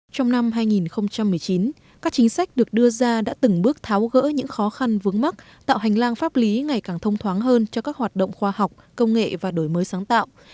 trong năm hai nghìn một mươi chín các chính sách được đưa ra đã từng bước tháo gỡ những khó khăn vướng mắt tạo hành lang pháp lý ngày càng thông thoáng hơn cho các hoạt động khoa học công nghệ và đổi mới sáng tạo